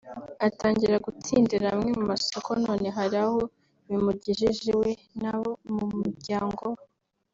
atangira gutsindira amwe mu masoko none hari aho bimugejeje we n’abo mu muryango we